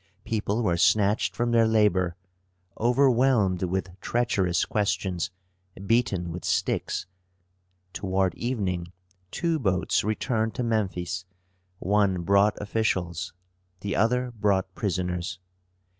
People were snatched from their labor, overwhelmed with treacherous questions, beaten with sticks. Toward evening two boats returned to Memphis: one brought officials, the other brought prisoners.